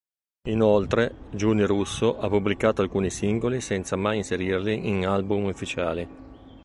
Inoltre, Giuni Russo, ha pubblicato alcuni singoli senza mai inserirli in album ufficiali.